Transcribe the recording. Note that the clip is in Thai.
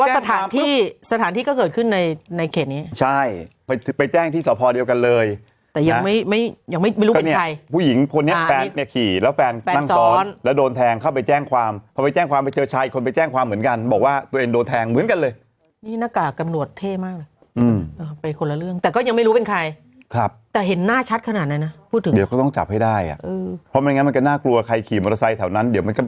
ใช่ไหมคือพอไปแจ้งความปุ๊บคือพอไปแจ้งความปุ๊บคือพอไปแจ้งความปุ๊บคือพอไปแจ้งความปุ๊บคือพอไปแจ้งความปุ๊บคือพอไปแจ้งความปุ๊บคือพอไปแจ้งความปุ๊บคือพอไปแจ้งความปุ๊บคือพอไปแจ้งความปุ๊บคือพอไปแจ้งความปุ๊บคือพ